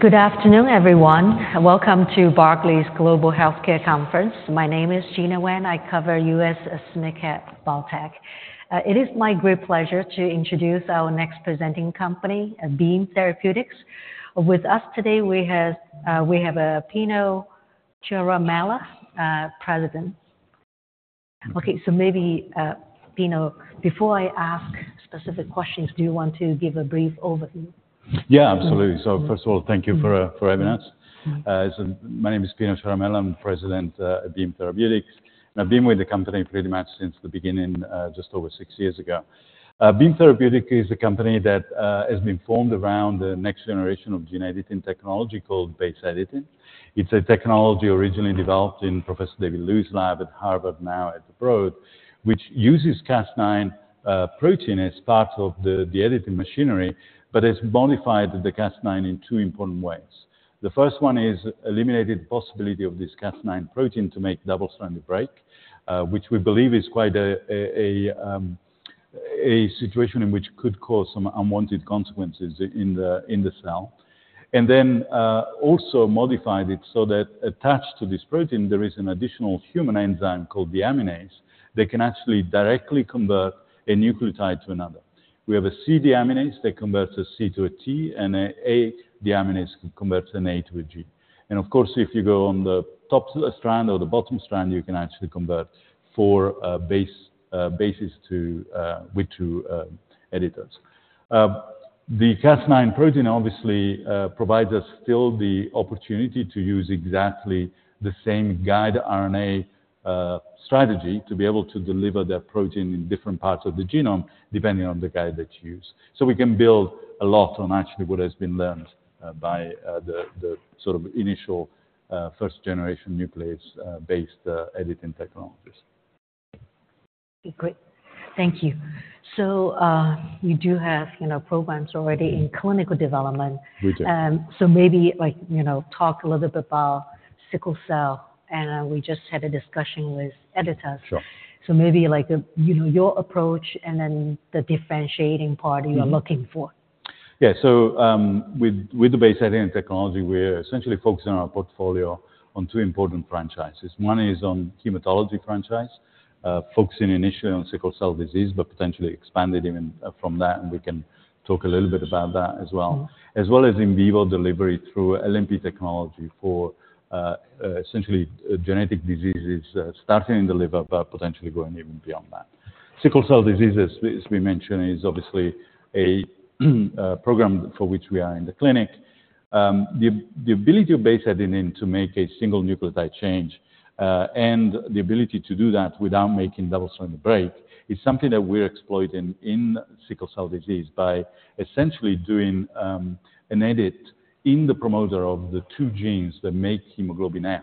Good afternoon, everyone, and welcome to Barclays Global Healthcare Conference. My name is Gena Wang. I cover U.S. [biotech at Barclays]. It is my great pleasure to introduce our next presenting company, Beam Therapeutics. With us today, we have Pino Ciaramella, president. Okay, so maybe Pino, before I ask specific questions, do you want to give a brief overview? Yeah, absolutely. So first of all, thank you for having us. So my name is Pino Ciaramella. I'm President at Beam Therapeutics, and I've been with the company pretty much since the beginning, just over six years ago. Beam Therapeutics is a company that has been formed around the next generation of gene editing technology called base editing. It's a technology originally developed in Professor David Liu's lab at Harvard, now at Broad, which uses Cas9 protein as part of the editing machinery, but has modified the Cas9 in two important ways. The first one is eliminated possibility of this Cas9 protein to make double-stranded break, which we believe is quite a situation in which could cause some unwanted consequences in the cell. And then, also modified it so that attached to this protein, there is an additional human enzyme called deaminase, that can actually directly convert a nucleotide to another. We have a C deaminase that converts a C to a T, and a A deaminase can convert an A to a G. And of course, if you go on the top strand or the bottom strand, you can actually convert four bases with two editors. The Cas9 protein obviously provides us still the opportunity to use exactly the same guide RNA strategy to be able to deliver the protein in different parts of the genome, depending on the guide that you use. So we can build a lot on actually what has been learned by the sort of initial first generation nuclease based editing technologies. Okay, great. Thank you. So, you do have, you know, programs already in clinical development. We do. So maybe, like, you know, talk a little bit about sickle cell, and we just had a discussion with editors. Sure. So maybe like, you know, your approach and then the differentiating part you're looking for. Yeah. So, with the base editing technology, we're essentially focusing on our portfolio on two important franchises. One is on hematology franchise, focusing initially on sickle cell disease, but potentially expanded even from that, and we can talk a little bit about that as well. Mm-hmm. As well as in vivo delivery through LNP technology for essentially genetic diseases, starting in the liver, but potentially going even beyond that. Sickle cell diseases, as we mentioned, is obviously a program for which we are in the clinic. The ability of base editing to make a single nucleotide change, and the ability to do that without making double-stranded break, is something that we're exploiting in sickle cell disease by essentially doing an edit in the promoter of the two genes that make hemoglobin F,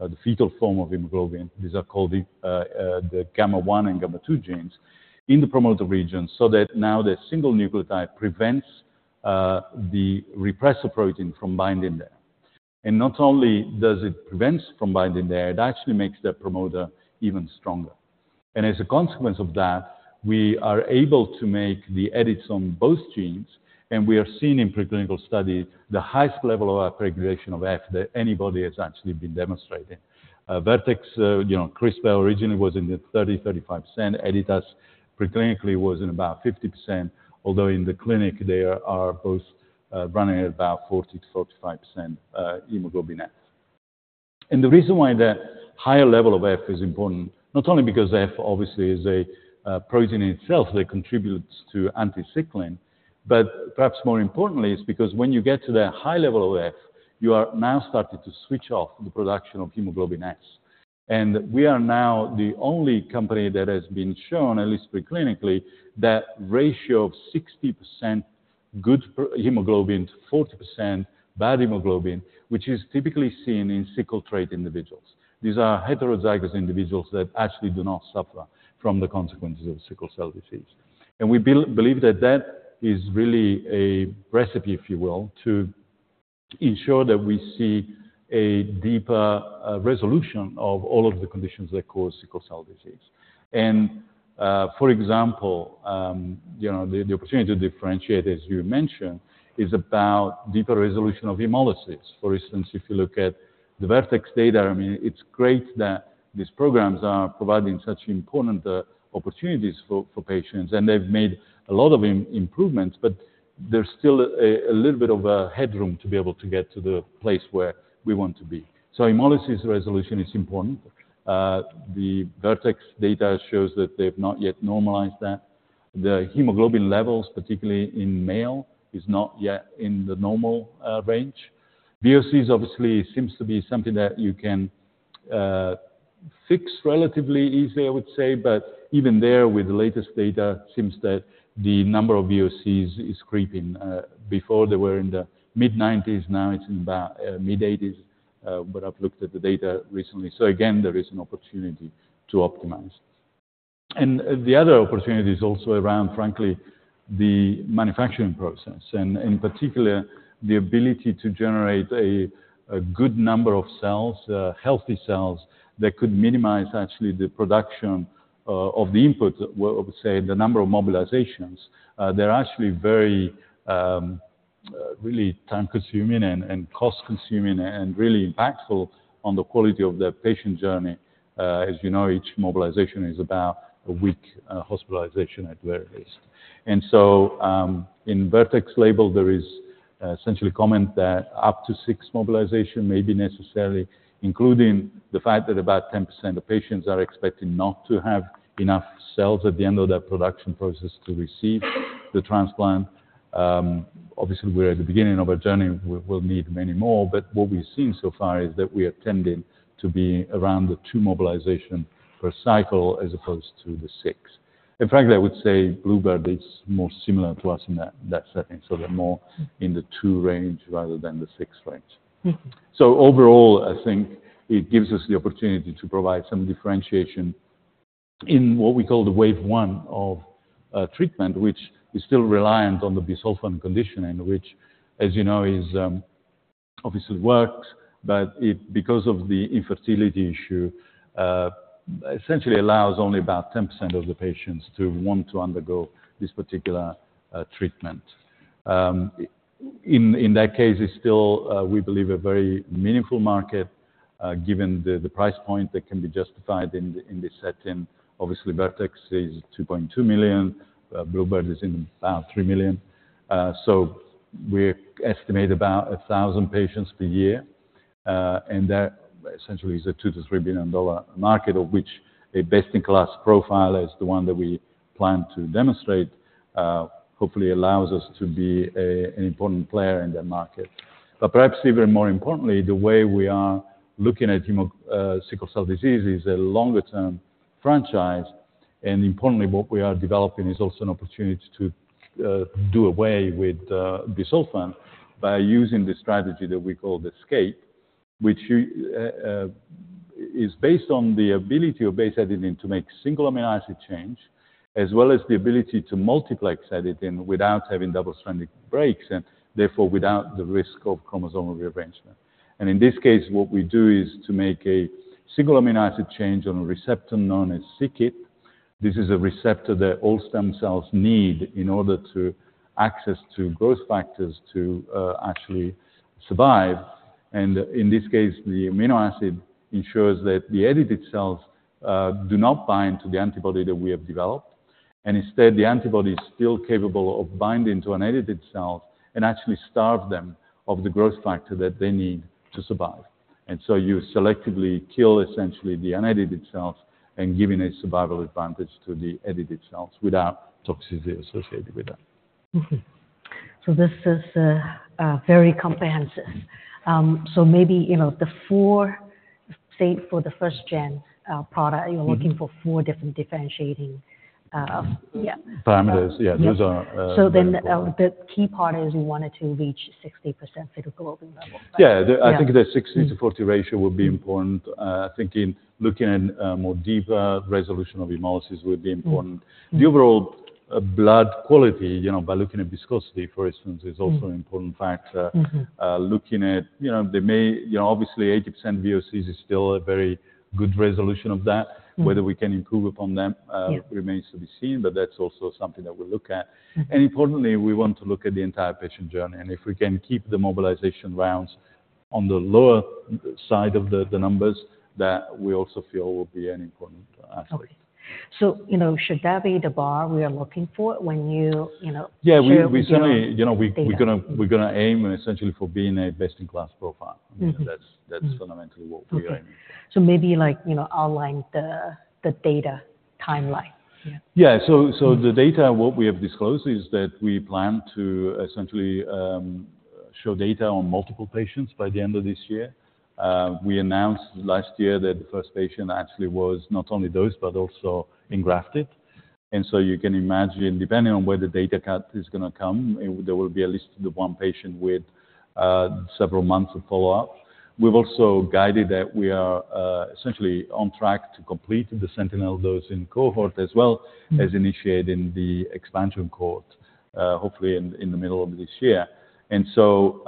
the fetal form of hemoglobin. These are called the gamma one and gamma two genes in the promoter region, so that now the single nucleotide prevents the repressor protein from binding there. And not only does it prevents from binding there, it actually makes the promoter even stronger. As a consequence of that, we are able to make the edits on both genes, and we are seeing in preclinical study the highest level of regulation of F that anybody has actually been demonstrating. Vertex, you know, CRISPR originally was in the 30%, 35%. Editas preclinically was in about 50%, although in the clinic, they are both running at about 40%-45% hemoglobin F. And the reason why the higher level of F is important, not only because F obviously is a protein in itself that contributes to anti-sickling, but perhaps more importantly, is because when you get to the high level of F, you are now starting to switch off the production of hemoglobin S. We are now the only company that has been shown, at least preclinically, that ratio of 60% good hemoglobin to 40% bad hemoglobin, which is typically seen in sickle trait individuals. These are heterozygous individuals that actually do not suffer from the consequences of sickle cell disease. We believe that that is really a recipe, if you will, to ensure that we see a deeper resolution of all of the conditions that cause sickle cell disease. For example, you know, the opportunity to differentiate, as you mentioned, is about deeper resolution of hemolysis. For instance, if you look at the Vertex data, I mean, it's great that these programs are providing such important opportunities for patients, and they've made a lot of improvements, but there's still a little bit of a headroom to be able to get to the place where we want to be. So hemolysis resolution is important. The Vertex data shows that they've not yet normalized that. The hemoglobin levels, particularly in male, is not yet in the normal range. VOC is obviously seems to be something that you can fix relatively easy, I would say. But even there, with the latest data, seems that the number of VOCs is creeping. Before they were in the mid-90s, now it's in about mid-80s, but I've looked at the data recently. So again, there is an opportunity to optimize. And, the other opportunity is also around, frankly, the manufacturing process, and in particular, the ability to generate a good number of cells, healthy cells, that could minimize actually the production of the input, well, say, the number of mobilizations. They're actually very really time-consuming and cost-consuming, and really impactful on the quality of their patient journey. As you know, each mobilization is about a week hospitalization at various. And so, in Vertex label, there is essentially a comment that up to six mobilization may be necessary, including the fact that about 10% of patients are expecting not to have enough cells at the end of their production process to receive the transplant. Obviously, we're at the beginning of a journey, we'll need many more, but what we've seen so far is that we are tending to be around the two mobilization per cycle as opposed to the six. In fact, I would say, bluebird is more similar to us in that setting, so they're more in the two range rather than the six range. So overall, I think it gives us the opportunity to provide some differentiation in what we call the wave one of treatment, which is still reliant on the busulfan conditioning, which, as you know, is obviously works, but it—because of the infertility issue, essentially allows only about 10% of the patients to want to undergo this particular treatment. In that case, it's still we believe a very meaningful market, given the price point that can be justified in this setting. Obviously, Vertex is $2.2 million, bluebird is in about $3 million. So we estimate about 1,000 patients per year, and that essentially is a $2 billion-$3 billion market, of which a best-in-class profile is the one that we plan to demonstrate, hopefully allows us to be a, an important player in that market. But perhaps even more importantly, the way we are looking at sickle cell disease is a longer term franchise, and importantly, what we are developing is also an opportunity to do away with busulfan by using the strategy that we call the ESCAPE, which is based on the ability of base editing to make single amino acid change, as well as the ability to multiplex editing without having double-stranded breaks, and therefore, without the risk of chromosomal rearrangement. In this case, what we do is to make a single amino acid change on a receptor known as cKit. This is a receptor that all stem cells need in order to access to growth factors to actually survive. In this case, the amino acid ensures that the edited cells do not bind to the antibody that we have developed, and instead, the antibody is still capable of binding to an edited cell and actually starve them of the growth factor that they need to survive. So you selectively kill essentially the unedited cells and giving a survival advantage to the edited cells without toxicity associated with that. Mm-hmm. So this is very comprehensive. So maybe, you know, the four, say, for the first gen, product you're looking for four different differentiating, yeah- Parameters? Yeah. Yes. Those are, The key part is we wanted to reach 60% fetal globin level, right? Yeah. I think the 60/40 ratio would be important. I think in looking at more deeper resolution of hemolysis would be important. The overall blood quality, you know, by looking at viscosity, for instance is also an important factor. Looking at, you know, they may... You know, obviously, 80% VOCs is still a very good resolution of that. Whether we can improve upon them remains to be seen, but that's also something that we'll look at. Importantly, we want to look at the entire patient journey, and if we can keep the mobilization rounds on the lower side of the numbers, that we also feel will be an important aspect. Okay. So, you know, should that be the bar we are looking for when you, you know, share? Yeah, we certainly, you know, we're gonna aim essentially for being a best-in-class profile. You know, that's fundamentally what we are aiming for. Okay. So maybe, like, you know, outline the data timeline. Yeah. Yeah. So the data, what we have disclosed is that we plan to essentially show data on multiple patients by the end of this year. We announced last year that the first patient actually was not only dosed, but also engrafted. And so you can imagine, depending on where the data cut is gonna come, there will be at least the one patient with several months of follow-up. We've also guided that we are essentially on track to complete the sentinel dosing cohort, as well as initiating the expansion cohort, hopefully in the middle of this year. And so,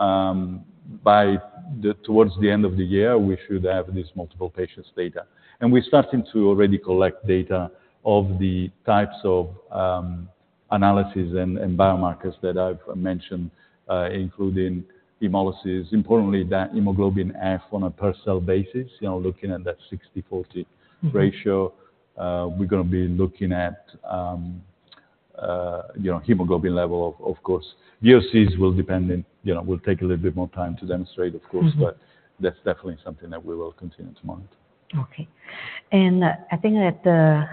towards the end of the year, we should have this multiple patients' data. And we're starting to already collect data of the types of analysis and biomarkers that I've mentioned, including hemolysis. Importantly, that hemoglobin F on a per cell basis, you know, looking at that 60/40 ratio. We're gonna be looking at, you know, hemoglobin level, of course. VOCs will depend on... You know, will take a little bit more time to demonstrate, of course, but that's definitely something that we will continue to monitor. Okay. And I think that the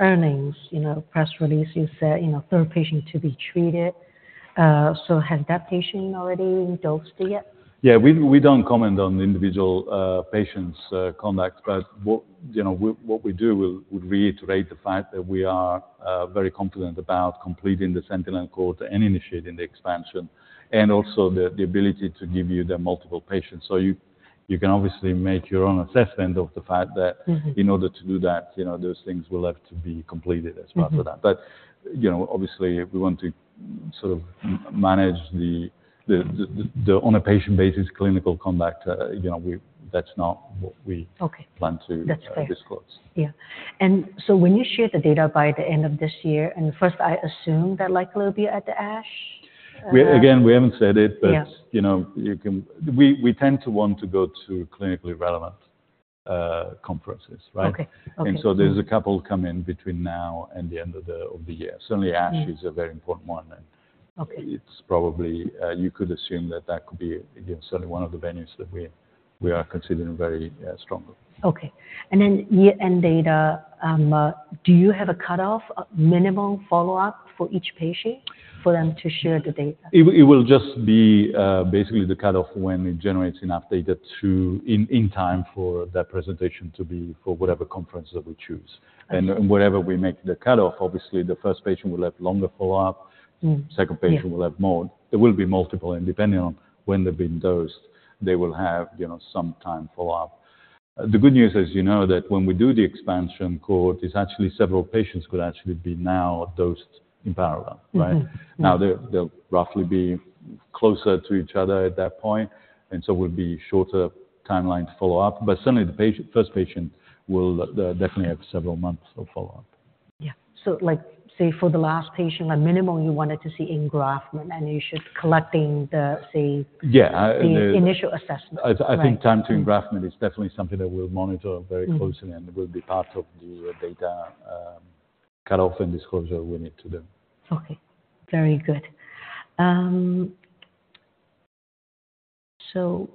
earnings, you know, press release, you said, you know, third patient to be treated. So has that patient already dosed yet? Yeah, we don't comment on individual patients' conduct, but what, you know, what we do, we'll reiterate the fact that we are very confident about completing the sentinel cohort and initiating the expansion, and also the ability to give you the multiple patients. So you can obviously make your own assessment of the fact that in order to do that, you know, those things will have to be completed as part of that. You know, obviously, we want to sort of manage the on a patient basis clinical conduct, you know, we-- that's not what we plan to disclose. Yeah. And so when you share the data by the end of this year, and first, I assume that likely will be at the ASH? We, again, we haven't said it. But, you know, we tend to want to go to clinically relevant conferences, right? There's a couple coming between now and the end of the year. Certainly, ASH is a very important one, and it's probably, you could assume that that could be, again, certainly one of the venues that we, we are considering very, strongly. Okay. And then year-end data, do you have a cutoff, minimum follow-up for each patient for them to share the data? It will just be basically the cutoff when it generates enough data to… in time for that presentation to be for whatever conference that we choose. And wherever we make the cutoff, obviously, the first patient will have longer follow-up. Second patient.will have more. There will be multiple, and depending on when they've been dosed, they will have, you know, some time follow-up. The good news is, you know that when we do the expansion cohort, is actually several patients could actually be now dosed in parallel, right? Now, they'll roughly be closer to each other at that point, and so will be shorter timeline to follow up. But certainly the first patient will definitely have several months of follow-up. Yeah. So, like, say for the last patient, the minimum you wanted to see engraftment, and you should collecting the, say the initial assessment. I think time to engraftment is definitely something that we'll monitor very closely and will be part of the data, cutoff and disclosure we need to do. Okay. Very good. So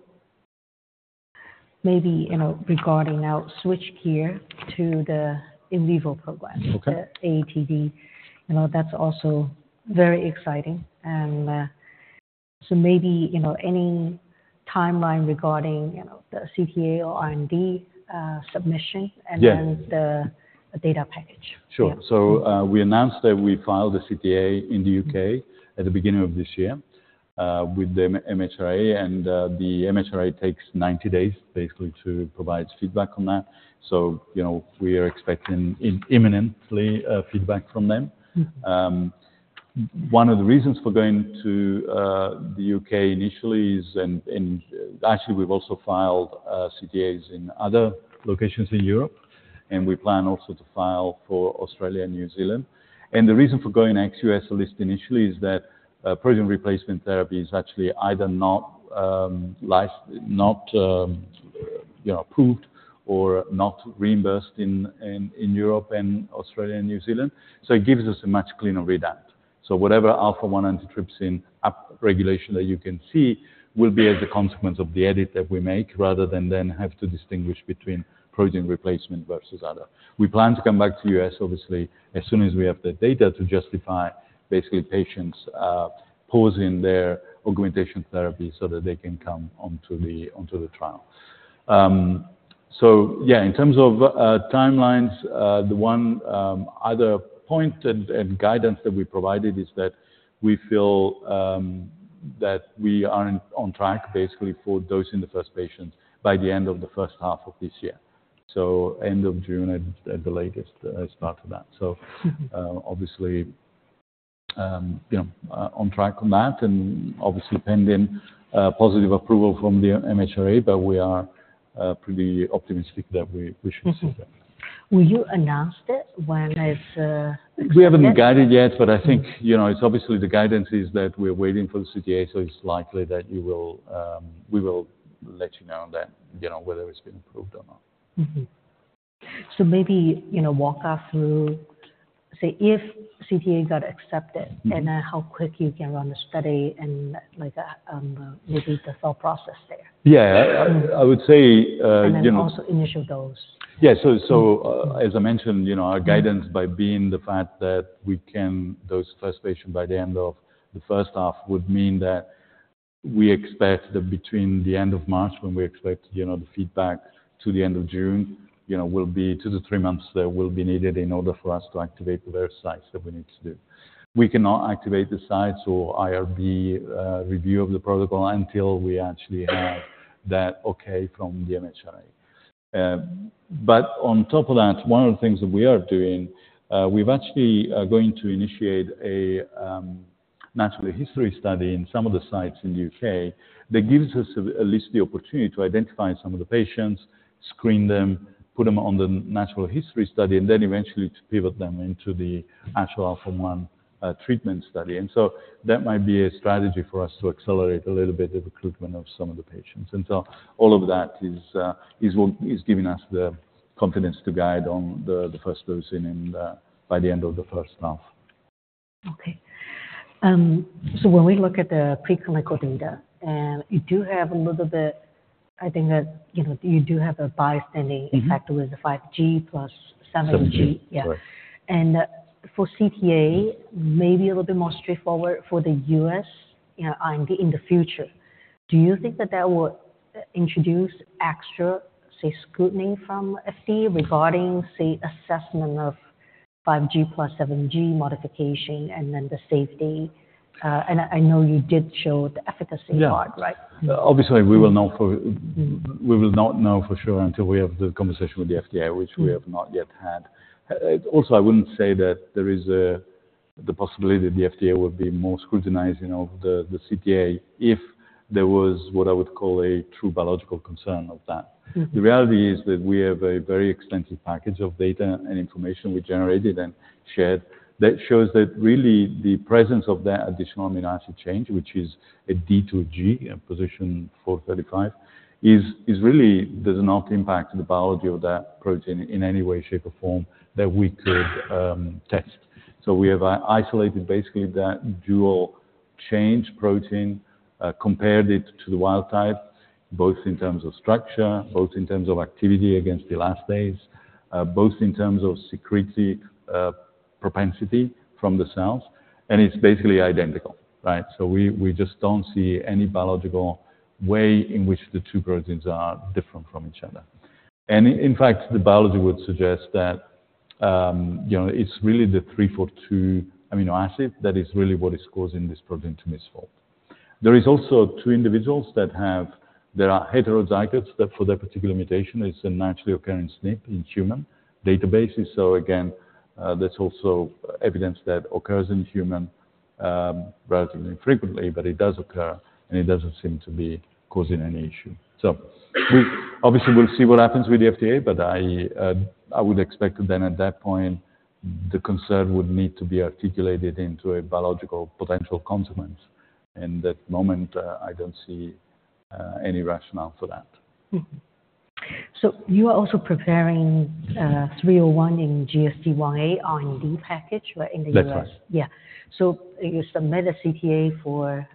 maybe, you know, regarding now, switch gear to the in vivo program, the AATD. You know, that's also very exciting. And, so maybe, you know, any timeline regarding, you know, the CTA or IND, submission and then the data package. Sure. We announced that we filed the CTA in the U.K. at the beginning of this year with the MHRA, and the MHRA takes 90 days basically to provide feedback on that. You know, we are expecting imminently feedback from them. One of the reasons for going to the U.K. initially is, and actually, we've also filed CTAs in other locations in Europe, and we plan also to file for Australia and New Zealand. The reason for going ex-U.S. at least initially is that protein replacement therapy is actually either not life not you know approved or not reimbursed in Europe and Australia and New Zealand. So it gives us a much cleaner readout. So whatever alpha-1 antitrypsin up-regulation that you can see will be as a consequence of the edit that we make, rather than then have to distinguish between protein replacement versus other. We plan to come back to the U.S., obviously, as soon as we have the data to justify basically patients pausing their augmentation therapy so that they can come onto the trial. So yeah, in terms of timelines, the one other point and guidance that we provided is that we feel that we are on track basically for dosing the first patients by the end of the first half of this year. So end of June at the latest, start of that. So obviously, you know, on track on that and obviously pending positive approval from the MHRA, but we are pretty optimistic that we should see that. Mm-hmm. Will you announce it when it's accepted? We haven't guided yet, but I think, you know, it's obviously the guidance is that we're waiting for the CTA, so it's likely that you will, we will let you know that, you know, whether it's been approved or not. Mm-hmm. So maybe, you know, walk us through, say, if CTA got accepted and then how quick you can run the study and like, maybe the thought process there. Yeah. I would say, you know- And then also initial dose. Yeah. So, as I mentioned, you know, our guidance by being the fact that we can dose first patient by the end of the first half, would mean that we expect that between the end of March, when we expect, you know, the feedback to the end of June, you know, will be two-three months, that will be needed in order for us to activate the various sites that we need to do. We cannot activate the sites or IRB review of the protocol until we actually have that okay from the MHRA. But on top of that, one of the things that we are doing, we've actually are going to initiate a natural history study in some of the sites in the U.K. That gives us at least the opportunity to identify some of the patients, screen them, put them on the natural history study, and then eventually to pivot them into the actual alpha-1 treatment study. And so that might be a strategy for us to accelerate a little bit the recruitment of some of the patients. And so all of that is what is giving us the confidence to guide on the first dosing and by the end of the first half. Okay. So when we look at the preclinical data, and you do have a little bit, I think that, you know, you do have a bystanding factor with the 5G + 7G. For CTA, maybe a little bit more straightforward for the U.S., you know, R&D in the future, do you think that that will introduce extra, say, scrutiny from FDA regarding, say, assessment of 5G + 7G modification and then the safety? And I know you did show the efficacy part, right? Obviously, we will know for... we will not know for sure until we have the conversation with the FDA, which we have not yet had. Also, I wouldn't say that there is the possibility that the FDA would be more scrutinizing of the CTA if there was what I would call a true biological concern of that. The reality is that we have a very extensive package of data and information we generated and shared, that shows that really the presence of that additional amino acid change, which is a D to a G, in position 435, is really does not impact the biology of that protein in any way, shape, or form that we could test. So we have isolated basically that dual change protein, compared it to the wild type, both in terms of structure, both in terms of activity against elastase, both in terms of secretion propensity from the cells, and it's basically identical, right? So we just don't see any biological way in which the two proteins are different from each other. In fact, the biology would suggest that, you know, it's really the 342 amino acid that is really what is causing this protein to misfold. There are also two individuals that are heterozygotes for that particular mutation, it's a naturally occurring SNP in human databases. So again, there's also evidence that occurs in humans relatively infrequently, but it does occur, and it doesn't seem to be causing any issue. Obviously, we'll see what happens with the FDA, but I, I would expect then at that point, the concern would need to be articulated into a biological potential consequence. At that moment, I don't see any rationale for that. Mm-hmm. So you are also preparing 301 in GSD1a, R&D package, right, in the U.S.? That's right. Yeah. So you submit a CTA for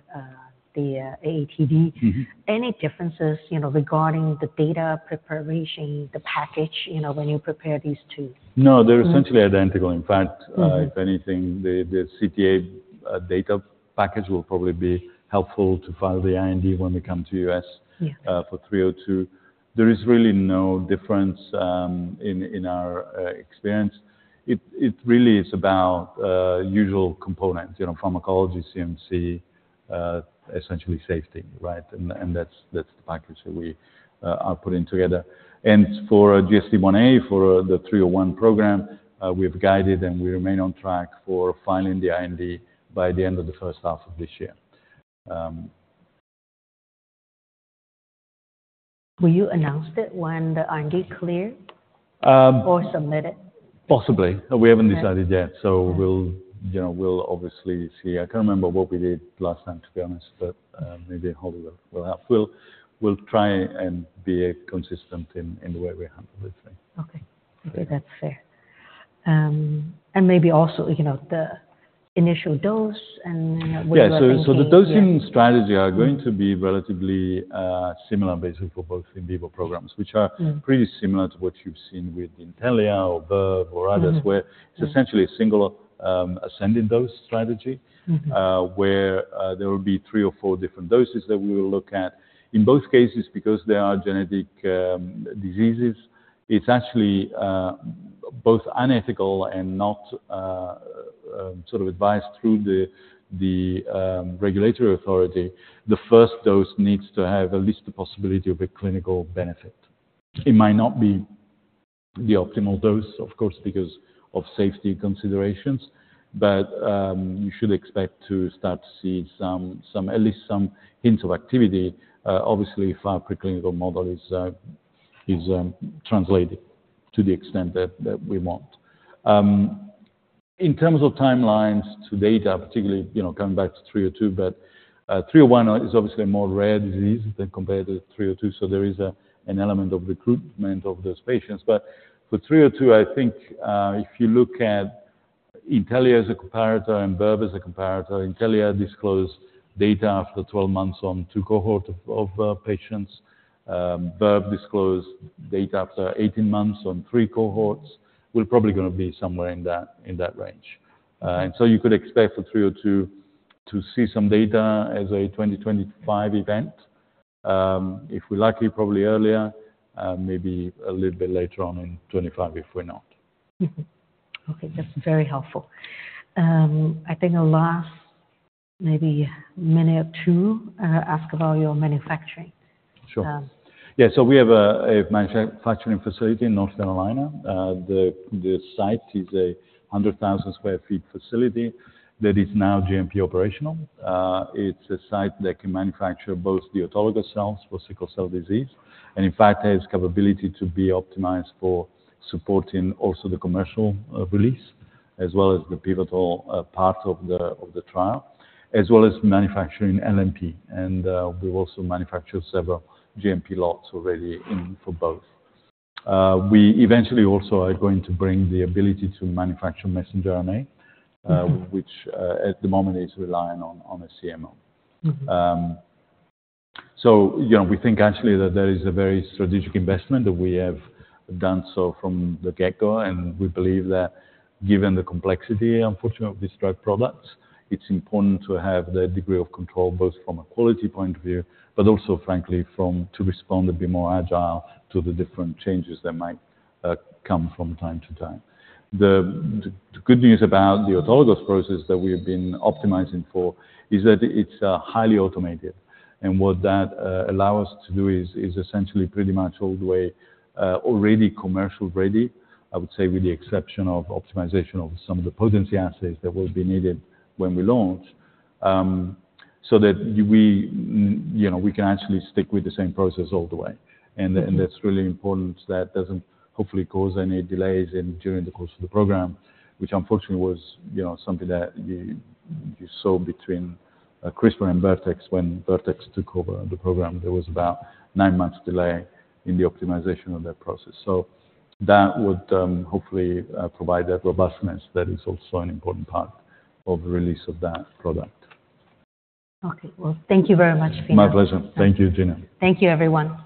the AATD. Any differences, you know, regarding the data preparation, the package, you know, when you prepare these two? No, they're essentially identical. In fact if anything, the CTA data package will probably be helpful to file the IND when we come to U.S. for 302. There is really no difference in our experience. It really is about usual components, you know, pharmacology, CMC, essentially safety, right? And that's the package that we are putting together. And for GSD1a, for the 301 program, we've guided and we remain on track for filing the IND by the end of the first half of this year. Will you announce it when the R&D cleared? Or submitted? Possibly. We haven't decided yet. So we'll, you know, we'll obviously see. I can't remember what we did last time, to be honest, but maybe how we will... we'll try and be consistent in the way we handle this thing. Okay, that's fair. Maybe also, you know, the initial dose and, you know, what you are thinking- Yeah. So the dosing strategy are going to be relatively similar basically for both in vivo programs, which are pretty similar to what you've seen with Intellia or Verve or others where it's essentially a single, ascending dose strategy. Where there will be three or four different doses that we will look at. In both cases, because they are genetic diseases, it's actually both unethical and not sort of advised through the regulatory authority. The first dose needs to have at least the possibility of a clinical benefit. It might not be the optimal dose, of course, because of safety considerations, but you should expect to start to see some, at least some hints of activity, obviously, if our preclinical model is translated to the extent that we want. In terms of timelines to data, particularly, you know, coming back to 302, but 301 is obviously a more rare disease than compared to 302, so there is an element of recruitment of those patients. But for 302, I think, if you look at Intellia as a comparator and Verve as a comparator, Intellia disclosed data after 12 months on two cohort of patients. Verve disclosed data after 18 months on three cohorts. We're probably gonna be somewhere in that range. And so you could expect for 302, to see some data as a 2025 event. If we're lucky, probably earlier, maybe a little bit later on in 2025, if we're not. Okay, that's very helpful. I think the last, maybe minute or two, ask about your manufacturing. Sure. Yeah, so we have a manufacturing facility in North Carolina. The site is a 100,000 sq ft facility that is now GMP operational. It's a site that can manufacture both the autologous cells for sickle cell disease, and in fact, has capability to be optimized for supporting also the commercial release, as well as the pivotal part of the trial, as well as manufacturing LNP. And we've also manufactured several GMP lots already for both. We eventually also are going to bring the ability to manufacture messenger RNA which, at the moment, is relying on a CMO. So, you know, we think actually that there is a very strategic investment that we have done so from the get-go, and we believe that given the complexity, unfortunately, of these drug products, it's important to have the degree of control, both from a quality point of view, but also frankly, from... to respond and be more agile to the different changes that might come from time to time. The good news about the autologous process that we've been optimizing for is that it's highly automated. And what that allows us to do is essentially pretty much all the way already commercial ready, I would say, with the exception of optimization of some of the potency assays that will be needed when we launch. So that we, you know, we can actually stick with the same process all the way. That's really important, so that doesn't hopefully cause any delays during the course of the program, which unfortunately was, you know, something that you saw between CRISPR and Vertex. When Vertex took over the program, there was about nine months delay in the optimization of that process. So that would hopefully provide that robustness that is also an important part of the release of that product. Okay. Well, thank you very much, Pino. My pleasure. Thank you, Gena. Thank you, everyone.